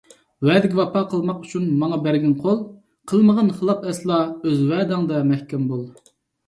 ۋەدىگە ۋاپا قىلماق ئۈچۈن ماڭا بەرگىن قول، قىلمىغىن خىلاپ ئەسلا، ئۆز ۋەدەڭدە مەھكەم بول.